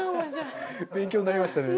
勉強になりましたね。